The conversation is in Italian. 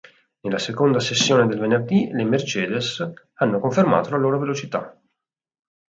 Nella seconda sessione del venerdì le Mercedes hanno confermato la loro velocità.